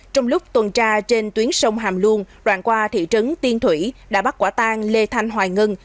trong lúc tuần tra trên tuyến sông hàm luông đoạn qua thị trấn tiên thủy đã bắt quả tang lê thanh hoài ngân